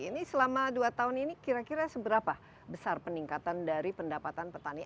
ini selama dua tahun ini kira kira seberapa besar peningkatan dari pendapatan petani